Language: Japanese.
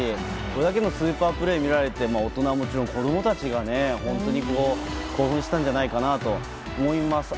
これだけのスーパープレーが見られて、大人はもちろん子供たちが本当に興奮したんじゃないかなと思います。